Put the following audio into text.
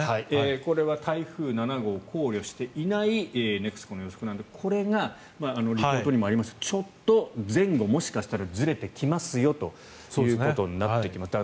これは台風７号を考慮していないネクスコの予測なんですがこれがリポートにもありましたがちょっと前後もしかしたらずれてきますよということになってきます。